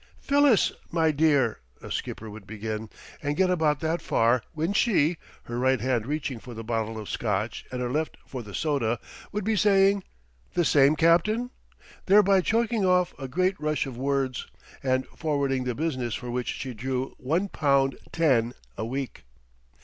"Phyllis, my dear," a skipper would begin, and get about that far when she her right hand reaching for the bottle of Scotch and her left for the soda would be saying: "The same, captain?" thereby choking off a great rush of words, and forwarding the business for which she drew one pound ten a week.